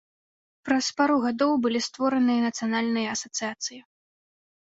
Праз пару гадоў былі створаныя нацыянальныя асацыяцыі.